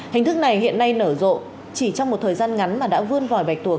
hình thức này hiện nay nở rộ chỉ trong một thời gian ngắn mà đã vươn vòi bạch tuộc